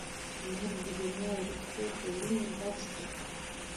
مرګ د دنیا وروستی دروند درس دی.